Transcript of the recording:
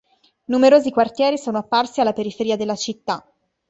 Numerosi quartieri sono apparsi alla periferia della città.